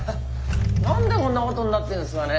何でこんなことになってんすかね。